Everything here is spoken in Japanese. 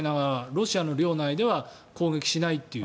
ロシア領内では攻撃しないという。